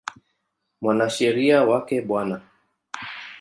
Mwanasheria wake Bw.